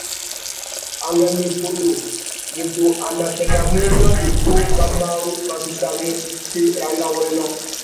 Angüêndô iffundu, mutu a naffénamú nà mukú mà marru má séssamú itsi râ ngawôrénô.